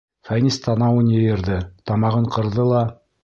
Фәнис танауын йыйырҙы, тамағын ҡырҙы ла: